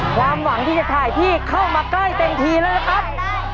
ความหวังที่จะถ่ายที่เข้ามาใกล้เต็มทีแล้วนะครับ